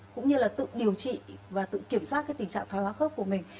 cũng như là tự điều trị và tự kiểm soát cái tình trạng thoái hóa khớp của mình